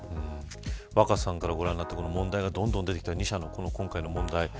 若狭さんからご覧になって問題がどんどん出てきたこの２社の問題